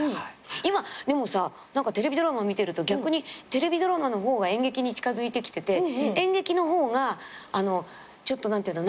今でもさテレビドラマ見てると逆にテレビドラマの方が演劇に近づいてきてて演劇の方がちょっと何ていうの？